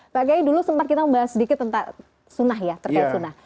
pak kiai dulu sempat kita membahas sedikit tentang sunnah ya